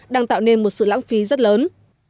đang tạo nên một sự lãng phí rất lớn